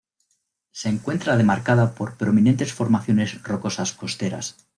Se encuentra demarcada por prominentes formaciones rocosas costeras.